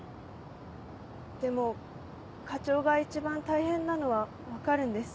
でも課長が一番大変なのは分かるんです。